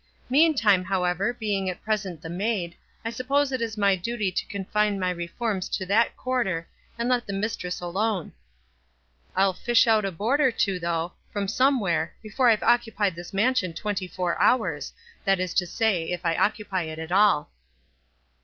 Meantime, however, being at present the maid, I suppose it is my duty to confine my reforms to that qnnrtor. and \o* the mi^rc s nUno. HI tioh out a board ur two, though, Iruui oouie where, before I've occupied this mansion twea WISE AND OTHERWISE. 297 ty four hours — that is to say, if I occupy it at all."